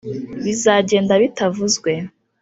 bizagenda bitavuzwe.